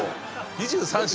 ２３品